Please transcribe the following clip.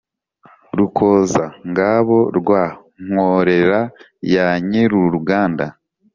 rukoza-ngabo rwa nkorera ya nyir-uruganda,